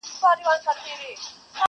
دا د بازانو د شهپر مېنه ده؛